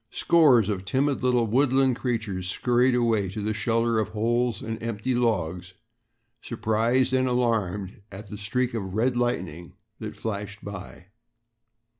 Scores of timid little woodland creatures scurried away to the shelter of holes and empty logs, surprised and alarmed at the streak of red lightning that flashed by.